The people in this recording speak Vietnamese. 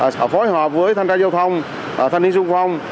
sẽ phối hợp với thanh tra giao thông thanh niên xung phong